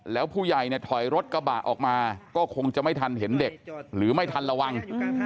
แล้วผู้ใหญ่เนี่ยถอยรถกระบะออกมาก็คงจะไม่ทันเห็นเด็กหรือไม่ทันระวัง